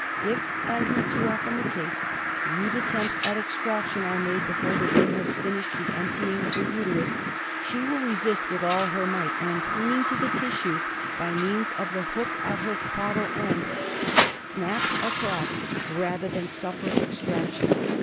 If, as is too often the case, rude atteiftpts at extraction are made before the worm has finished 'the emptying of her uterus, she will resist with all her might, and, clinging to the tissues by means of the hook at her caudal end, snap across rather than suffer extraction.